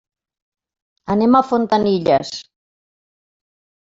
Anem a Fontanilles.